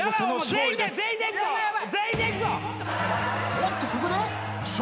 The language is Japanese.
おっとここで笑